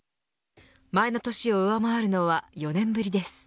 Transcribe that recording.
前の年を上回るのは４年ぶりです。